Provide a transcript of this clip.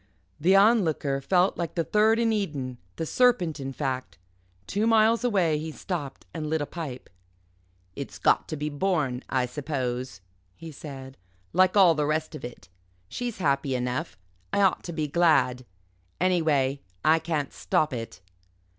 The Onlooker fell like the third in Eden the serpent, in fact. Two miles away he stopped and lit a pipe. "It's got to be borne, I suppose," he said, "like all the rest of it. She's happy enough. I ought to be glad. Anyway, I can't stop it."